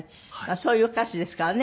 そういう歌詞ですからね。